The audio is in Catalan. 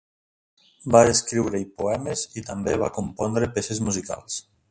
Va escriure-hi poemes i també va compondre peces musicals.